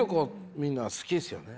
みんな好きですよね。